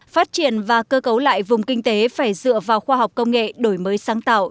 phát triển và cơ cấu lại vùng kinh tế phải dựa vào khoa học công nghệ đổi mới sáng tạo